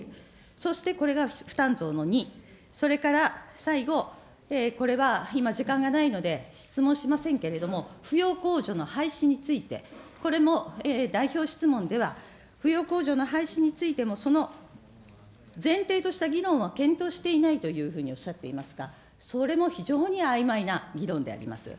そしてこれが負担増の２、それから、最後、これは今時間がないので質問しませんけれども、扶養控除の廃止について、これも代表質問では扶養控除の廃止についてもその前提とした議論は検討していないというふうにおっしゃっていますが、それも非常にあいまいな議論であります。